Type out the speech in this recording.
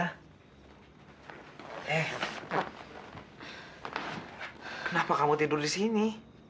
eh kenapa kamu tidur di sini